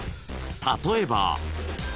［例えば］